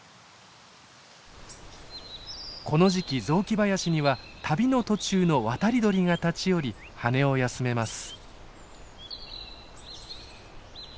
この時期雑木林には旅の途中の渡り鳥が立ち寄り羽を休めます。